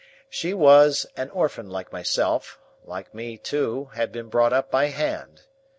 She was an orphan like myself; like me, too, had been brought up by hand.